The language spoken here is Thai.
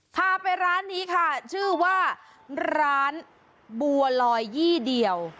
พาไปร้านนี้ค่ะชื่อว่าร้านบัวลอยยี่เดียว